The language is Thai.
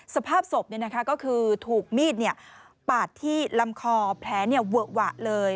สภาพศพก็คือถูกมีดปาดที่ลำคอแผลเวอะหวะเลย